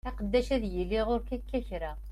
Aqeddac ad yili ɣur-k akka kra.